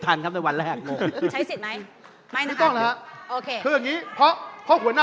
ถ้าบอกว่าคุณแหม่นสุริภาจะเสียใจ